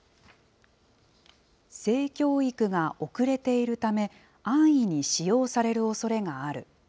性教育が遅れているため、安易に使用されるおそれがある。